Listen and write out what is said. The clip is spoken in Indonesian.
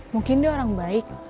mungkin dia orang baik